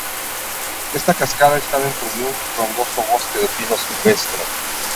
Esta cascada está dentro de un frondoso bosque de pino silvestre.